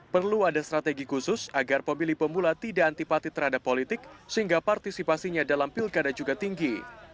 perlu ada strategi khusus agar pemilih pemula tidak antipati terhadap politik sehingga partisipasinya dalam pilkada juga tinggi